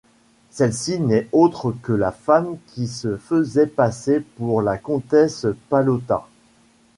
Celle-ci n'est autre que la femme qui se faisait passer pour la comtesse Palotta.